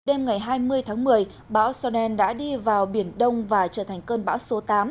đêm ngày hai mươi tháng một mươi bão sonnen đã đi vào biển đông và trở thành cơn bão số tám